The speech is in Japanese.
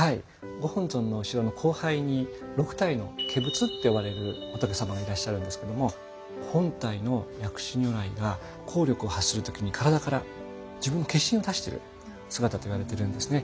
ご本尊の後ろの光背に６体の化仏って呼ばれる仏様がいらっしゃるんですけども本体の薬師如来が効力を発する時に体から自分の化身を出してる姿といわれてるんですね。